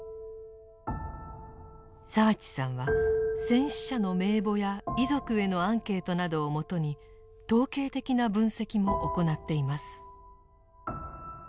澤地さんは戦死者の名簿や遺族へのアンケートなどをもとに統計的な分析も行っています。